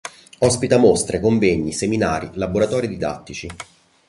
Ospita mostre, convegni, seminari, laboratori didattici.